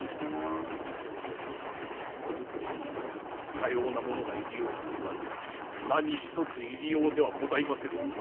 子作りにさようなものが入用かと言われたら何一つ入用ではございませぬ。